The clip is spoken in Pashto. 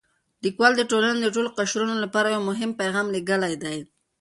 لیکوال د ټولنې د ټولو قشرونو لپاره یو پیغام لېږلی دی.